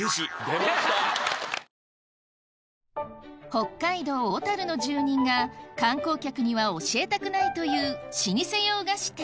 北海道・小樽の住人が観光客には教えたくないという老舗洋菓子店